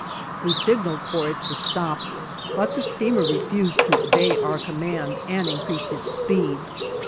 We signaled for it to stop, but the steamer refused to obey our command and increased its speed.